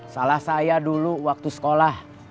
salah saya dulu waktu sekolah